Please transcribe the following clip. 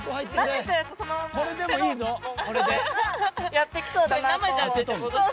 やってきそうだなと。